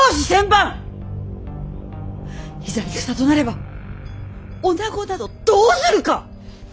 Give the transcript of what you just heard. いざ戦となれば女などどうするか！